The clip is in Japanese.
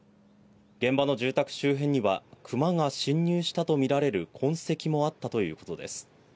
現場の住宅周辺にはクマが侵入したとみられる痕跡もあったということです。